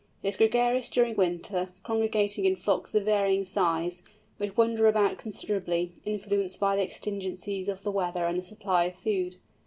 It is gregarious during winter, congregating in flocks of varying size, which wander about considerably, influenced by the exigencies of the weather and the supply of food.